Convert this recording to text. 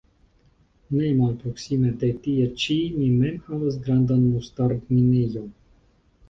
Ne malproksime de tie ĉi mi mem havas grandan mustardminejon.